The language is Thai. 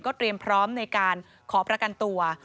เตรียมพร้อมในการขอประกันตัว